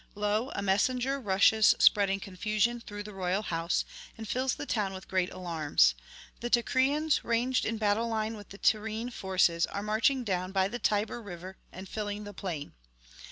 Lo, a messenger rushes spreading confusion through the royal house, and fills the town with great alarms: the Teucrians, ranged in battle line with the Tyrrhene forces, are marching down by the Tiber river and filling the plain.